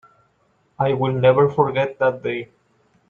I will never forget that day.